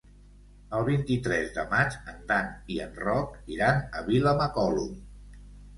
El vint-i-tres de maig en Dan i en Roc iran a Vilamacolum.